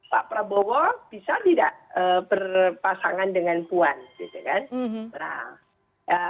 pak prabowo bisa tidak berpasangan dengan puan gitu kan